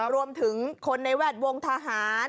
รวมถึงคนในแวดวงทหาร